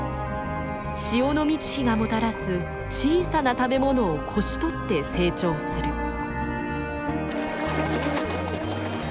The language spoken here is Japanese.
潮の満ち干がもたらす小さな食べものをこしとって成長する。